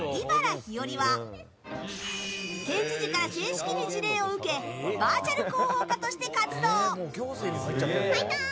ひよりは県知事から正式に辞令を受けバーチャル広報課として活動！